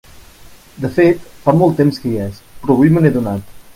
De fet, fa molt temps que hi és, però avui me n'he adonat.